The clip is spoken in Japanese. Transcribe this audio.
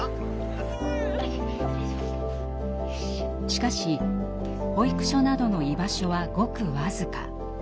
しかし保育所などの居場所はごく僅か。